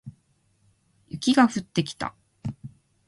雪が降ってきた